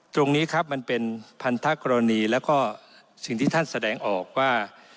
ตรงนี้ครับมันเป็นพันธกรณีแล้วก็สิ่งที่ท่านแสดงออกว่า